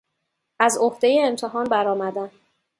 از عهده امتحان برآمدن